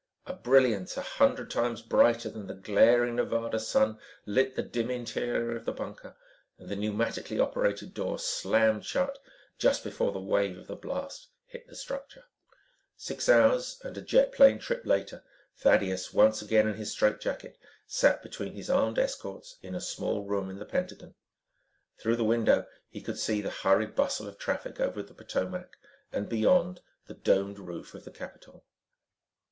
A brilliance a hundred times brighter than the glaring Nevada sun lit the dim interior of the bunker and the pneumatically operated door slammed shut just before the wave of the blast hit the structure. Six hours and a jet plane trip later, Thaddeus, once again in his strait jacket, sat between his armed escorts in a small room in the Pentagon. Through the window he could see the hurried bustle of traffic over the Potomac and beyond, the domed roof of the Capitol.